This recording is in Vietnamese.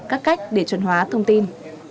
các cách để chuẩn hóa thông tin